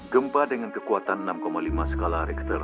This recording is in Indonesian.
gempa dengan kekuatan enam lima skala richter